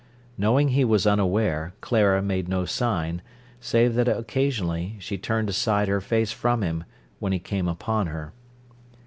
Knowing he was unaware, Clara made no sign, save that occasionally she turned aside her face from him when he came upon her.